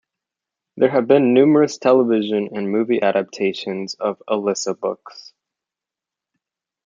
There have been numerous television and movie adaptations of "Alisa" books.